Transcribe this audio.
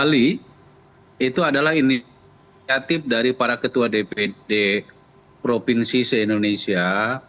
bali itu adalah inisiatif dari para ketua dpd provinsi se indonesia